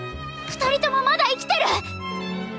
二人ともまだ生きてる！